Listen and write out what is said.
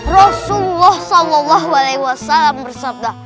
rasulullah salallahu alaihi wasalam bersabda